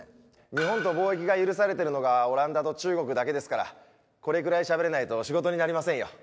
日本と貿易が許されてるのがオランダと中国だけですからこれぐらいしゃべれないと仕事になりませんよ。